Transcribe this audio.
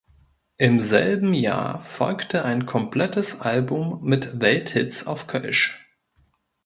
Im selben Jahr folgte ein komplettes Album mit Welthits auf Kölsch.